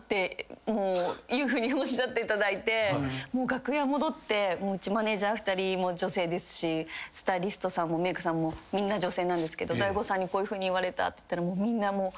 楽屋戻ってうちマネジャー２人女性ですしスタイリストさんもメークさんもみんな女性なんですけど大悟さんにこういうふうに言われたって言ったらみんなもう。